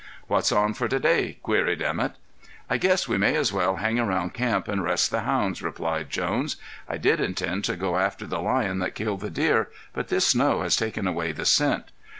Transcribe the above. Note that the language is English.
"What's on for today?" queried Emett. "I guess we may as well hang around camp and rest the hounds," replied Jones. "I did intend to go after the lion that killed the deer, but this snow has taken away the scent."